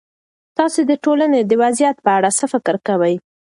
تاسو د ټولنې د وضعيت په اړه څه فکر کوئ؟